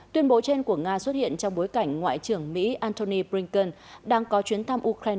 tuyên bố trên của nga xuất hiện trong bối cảnh ngoại trưởng mỹ antony blinken đang có chuyến thăm ukraine